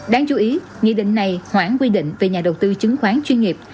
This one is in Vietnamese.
đáng chú ý nghị định này khoản quy định về nhà đầu tư chứng khoán chuyên nghiệp